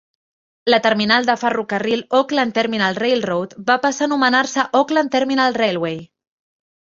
La terminal de ferrocarril Oakland Terminal Railroad va passar a anomenar-se Oakland Terminal Railway.